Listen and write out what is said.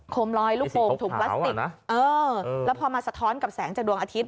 มลอยลูกโป่งถุงพลาสติกเออแล้วพอมาสะท้อนกับแสงจากดวงอาทิตย